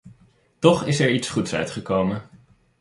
Toch is er iets goeds uitgekomen.